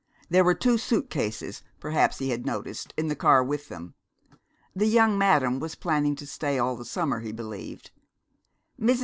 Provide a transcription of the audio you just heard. There were two suit cases, perhaps he had noticed, in the car with them. The young madam was planning to stay all the summer, he believed. Mrs.